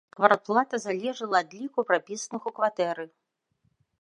Квартплата залежала ад ліку прапісаных у кватэры.